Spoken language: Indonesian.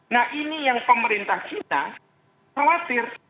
nah ini yang pemerintah china khawatir